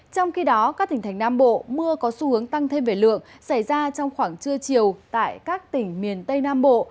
trong khi đó các tỉnh thành nam bộ mưa có xu hướng tăng thêm về lượng xảy ra trong khoảng trưa chiều tại các tỉnh miền tây nam bộ